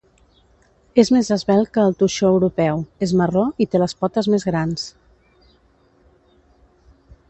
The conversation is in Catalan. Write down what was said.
És més esvelt que el toixó europeu, és marró i té les potes més grans.